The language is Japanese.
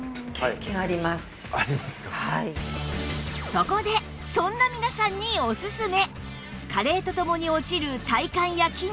そこでそんな皆さんにおすすめ！